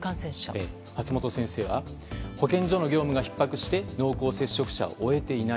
松本先生は保健所の業務がひっ迫して濃厚接触者を追えていない。